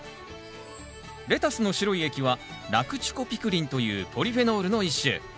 レタスの白い液はラクチュコピクリンというポリフェノールの一種。